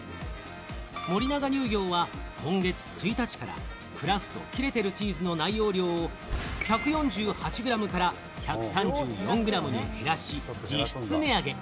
森永乳業は今月１日から「クラフト切れてるチーズ」の内容量を１４８グラムから１３４グラムに減らし、実質値上げ。